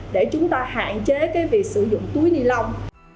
để chúng ta hạn chế cái việc sử dụng túi ni lông